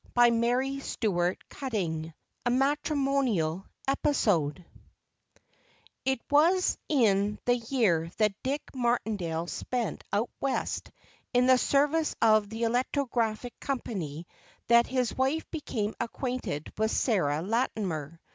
A Matrimonial Episode A Matrimonial Episode IT was in the year that Dick Martindale spent out West in the service of the Electrographic Company that his wife became acquainted with Sarah Latimer.